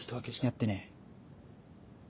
やってねえ。